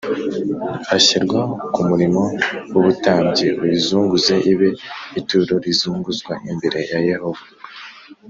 ashyirwa ku murimo w ubutambyi l uyizunguze ibe ituro rizunguzwa imbere ya Yehova